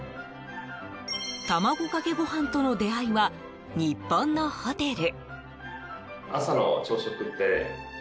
卵かけご飯との出会いは日本のホテル。